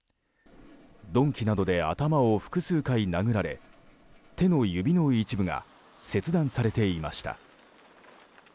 鈍器などで頭を複数回殴られ手の指の一部が切断されていました。